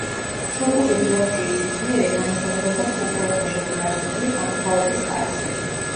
შოკური რეაქციის სიძლიერე განისაზღვრება კულტურათა შორის არსებული განსხვავების ხარისხით.